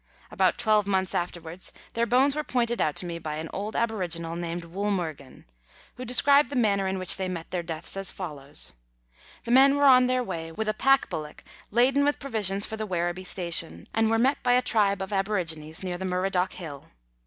About twelve months after wards their bones were pointed out to me by an old aboriginal named " Woolmurgeu," who described the manner in which they met their deaths as follows : The men were on their way with a pack bullock laden with provisions for the Werribee Station, and were met by a tribe of aborigines near the Murradock Hill.